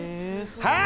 はい！